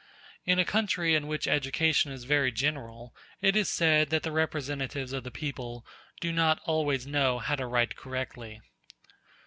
In a country in which education is very general, it is said that the representatives of the people do not always know how to write correctly.